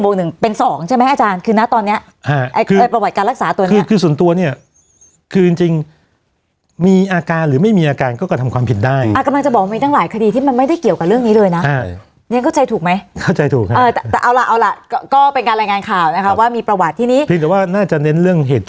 ใช่ไหมอาจารย์คือนะตอนเนี้ยไอ้คือไอ้ประวัติการรักษาตัวเนี้ยคือคือส่วนตัวเนี่ยคือจริงจริงมีอาการหรือไม่มีอาการก็กระทำความผิดได้อ่ะกำลังจะบอกมีตั้งหลายคดีที่มันไม่ได้เกี่ยวกับเรื่องนี้เลยนะใช่เรียนเข้าใจถูกไหมเข้าใจถูกครับเออแต่เอาล่ะเอาล่ะก็เป็นการรายงานข่าวนะคะว่ามีประวัติทีนี้เพียงแต่ว่าน่าจะเน้นเรื่องเหตุ